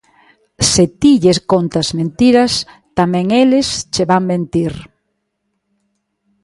Se ti lles contas mentiras, tamén eles che van mentir.